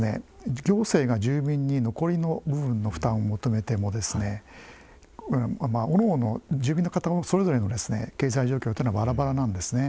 行政が住民に残りの部分の負担を求めてもおのおの住民の方それぞれの経済状況っていうのはバラバラなんですね。